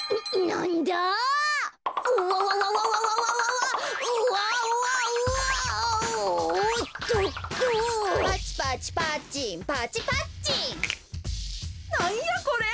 なんやこれ？